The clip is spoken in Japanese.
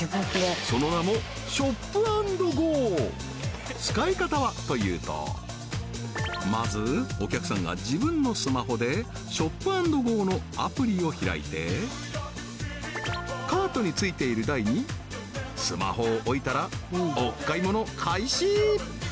その名もＳｈｏｐ＆Ｇｏ使い方はというとまずお客さんが自分のスマホでＳｈｏｐ＆Ｇｏのアプリを開いてカートについている台にスマホを置いたらお買い物開始！